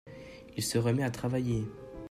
Il se remet à travailler.